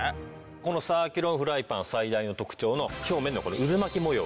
このサーキュロンフライパン最大の特徴の表面のこの渦巻き模様。